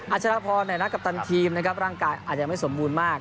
ชรพรในนักกัปตันทีมนะครับร่างกายอาจจะไม่สมบูรณ์มาก